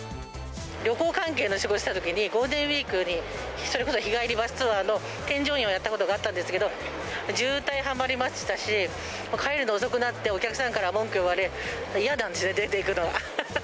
旅行関係の仕事をしてたときに、ゴールデンウィークにそれこそ日帰りバスツアーの添乗員をやったことがあるんですけど、渋滞はまりましたし、帰るの遅くなって、お客さんから文句言われ、嫌なんですよね、出ていくのが。